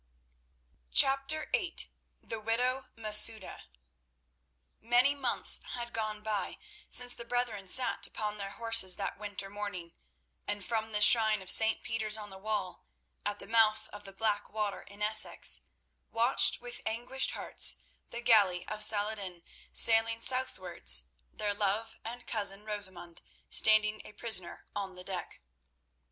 Chapter VIII. The Widow Masouda Many months had gone by since the brethren sat upon their horses that winter morning, and from the shrine of St. Peter's on the Wall, at the mouth of the Blackwater in Essex, watched with anguished hearts the galley of Saladin sailing southwards; their love and cousin, Rosamund, standing a prisoner on the deck.